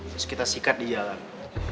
terus kita sikat di jalan